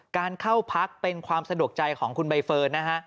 การเข้าพักเป็นความสะดวกใจของคุณใบเฟิร์นนะฮะ